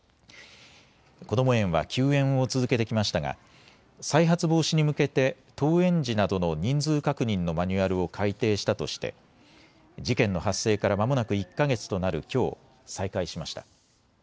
こども園は休園を続けてきましたが再発防止に向けて登園時などの人数確認のマニュアルを改定したとして事件の発生からまもなく１か月となるきょう、再開しました。